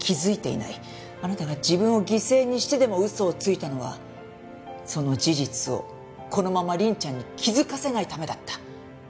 あなたが自分を犠牲にしてでも嘘をついたのはその事実をこのまま凛ちゃんに気づかせないためだった。